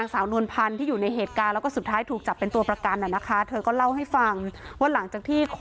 ก็มีความครองปืนที่ตรี